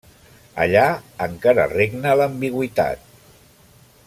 Allà encara regna l'ambigüitat.